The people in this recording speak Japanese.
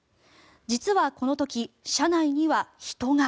実はこの時、車内には人が。